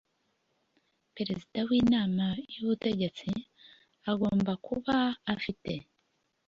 perezida w inama y ubutegetsi agomba kuba afite